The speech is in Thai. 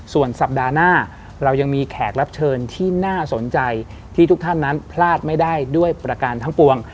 ส่วนสัปดาห์หน้าเรายังมีแขกรับเชิญที่น่าสนใจที่ทุกท่านนั้นพลาดไม่ได้ด้วยประการทั้งปวง